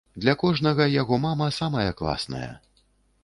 Для кожнага яго мама самая класная.